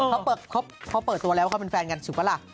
เขาเปิดตัวแล้วว่าเขาเป็นแฟนกันถูกปะล่ะ